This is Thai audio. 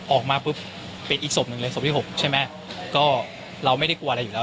ออกมาปุ๊บเป็นอีกศพหนึ่งเลยศพที่หกใช่ไหมก็เราไม่ได้กลัวอะไรอยู่แล้ว